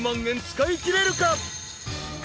円使いきれるか？］